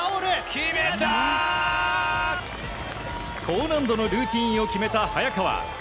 高難度のルーティンを決めた早川。